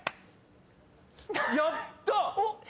やった！